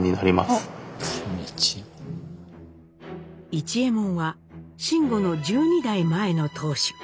市右エ門は辰吾の１２代前の当主。